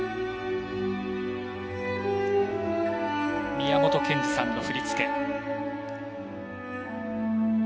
宮本賢二さんの振り付け。